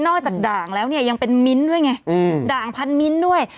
นอกจากด่างแล้วยังเป็นมิ้นต์ด้วยไงด่างพันมิ้นต์ด้วย